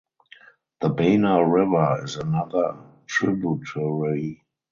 The Bana River is another tributary.